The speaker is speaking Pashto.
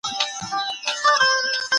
بهرنۍ پالیسي د شخړو د زیاتېدو سبب نه ګرځي.